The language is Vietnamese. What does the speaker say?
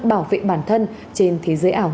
bảo vệ bản thân trên thế giới ảo